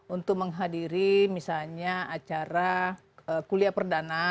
untuk menghadiri misalnya acara kuliah perdana